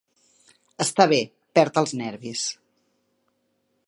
Està bé, perd els nervis.